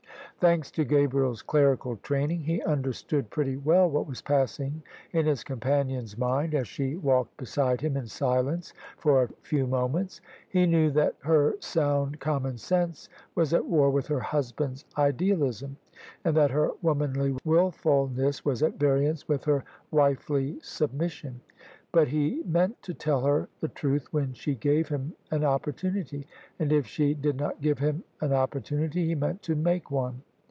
Thanks to Gabriel's clerical training, he understood pretty well what was passing in his companion's mind, as she walked beside him in silence for a few moments. He knew that her sound common sense was at war with her husband's idealism, and that her womanly wilfulness was at variance with her wifely submission. But he meant to tell her the truth when she gave him an opportunity ; and if she did not give him an opportunity, he meant to make one.